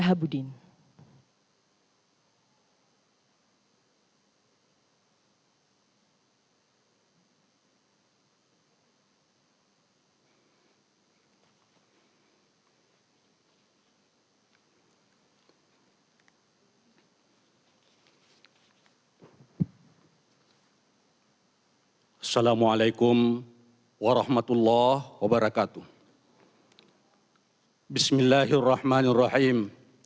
agar kita bisa memiliki kemampuan untuk mengucapkan terima kasih kepada tuhan